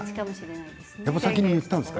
でも先に言ったんですか？